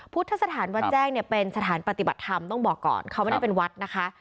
พุทธสถานวัดแจ้งเนี่ยเป็นสถานปฏิบัติธรรมต้องบอกก่อนเขาไม่ได้เป็นวัดนะคะ